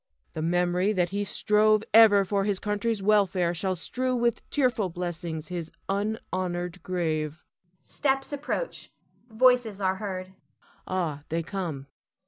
The memory that he strove ever for his country's welfare shall strew with tearful blessings his unhonored grave. [Steps approach; voices are heard.] Ah, they come!